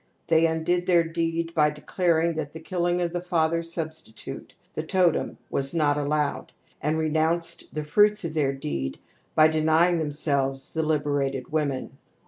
They undid their deed by declaring that the killing , of the father substitute, the totem, was not 1 allowed, and renounced the fruits of their deed by denying themselves the liberated women.